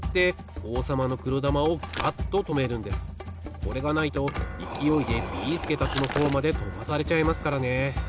これがないといきおいでビーすけたちのほうまでとばされちゃいますからね。